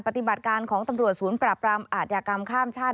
ปฏิบัติการของตำรวจศูนย์ปราบรามอาทยากรรมข้ามชาติ